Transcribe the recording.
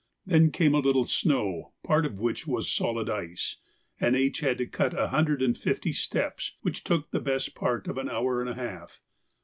Then came a little snow, part of which was solid ice, and H. had to cut a hundred and fifty steps, which took the best part of an hour and a half.